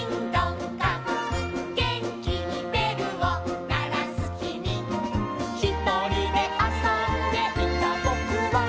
「げんきにべるをならすきみ」「ひとりであそんでいたぼくは」